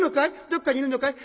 どっかにいるのかい？